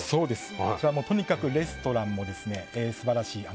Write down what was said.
こちらとにかくレストランも素晴らしい。